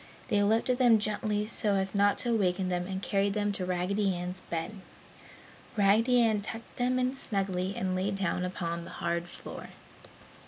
They lifted them gently so as not to awaken them and carried them to Raggedy Ann's bed. Raggedy Ann tucked them in snugly and lay down upon the hard floor.